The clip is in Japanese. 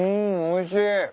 おいしい。